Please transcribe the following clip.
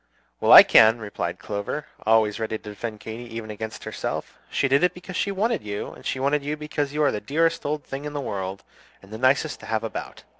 "Well, I can," replied Clover, always ready to defend Katy even against herself. "She did it because she wanted you, and she wanted you because you are the dearest old thing in the world, and the nicest to have about.